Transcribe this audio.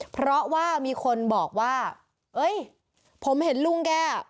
เพราะว่ามีคนบอกว่าเอ้ยผมเห็นลุงแก